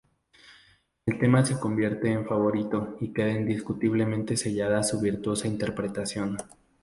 Este tema se convierte en favorito y queda indiscutiblemente sellada su virtuosa interpretación.